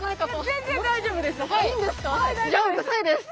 全然大丈夫です。